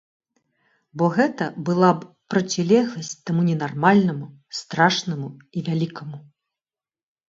Бо гэта была б процілегласць таму ненармальнаму, страшнаму і вялікаму.